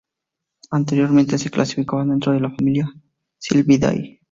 Anteriormente se clasificaban dentro de la familia Sylviidae.